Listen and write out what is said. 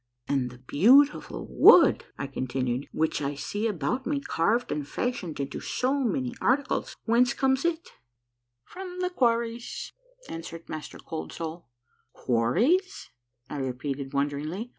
And the beautiful Avood," I continued, " which I see about me carved and fashioned into so many articles, whence comes it?" A MARVELLOUS UNDERGROUND JOURNEY 53 " From the quarries," answered Master Cold Soul. " Quarries ?" I repeated wonderingly.